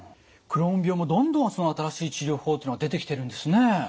クローン病もどんどん新しい治療法っていうのが出てきてるんですね。